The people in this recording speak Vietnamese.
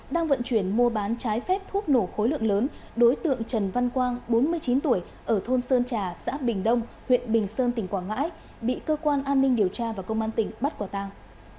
đang vận chuyển mua bán trái phép thuốc nổ khối lượng lớn đối tượng trần văn quang bốn mươi chín tuổi ở thôn sơn trà xã bình đông huyện bình sơn tỉnh quảng ngãi bị cơ quan an ninh điều tra và công an tỉnh bắt quả tang